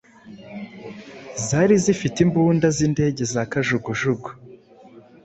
zari zifite imbunda z'indege za Kajugujugu